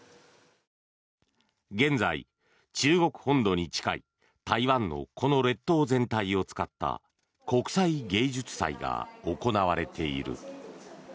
現在、中国本土に近い台湾のこの列島全体を使った国際芸術祭が行われている。